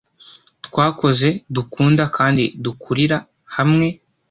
twakoze, dukunda, kandi dukurira hamwe